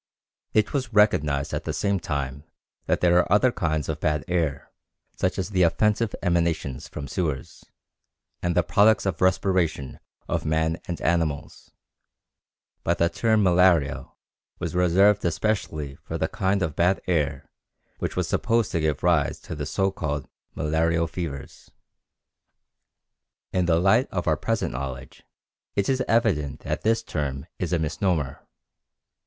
It was recognized at the same time that there are other kinds of bad air, such as the offensive emanations from sewers and the products of respiration of man and animals, but the term malaria was reserved especially for the kind of bad air which was supposed to give rise to the so called malarial fevers. In the light of our present knowledge it is evident that this term is a misnomer.